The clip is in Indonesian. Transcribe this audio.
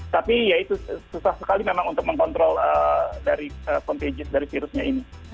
tapi ya itu susah sekali memang untuk mengkontrol dari contagit dari virusnya ini